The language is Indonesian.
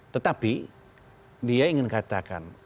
tetapi dia ingin katakan